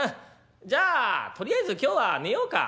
じゃあとりあえず今日は寝ようか」。